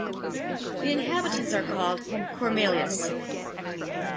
The inhabitants are called "Cormeillais".